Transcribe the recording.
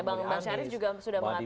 bang syarif juga sudah mengatakan